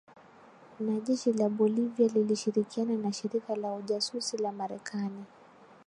Na jeshi la Bolivia likishirikiana na Shirika la Ujasusi la Marekani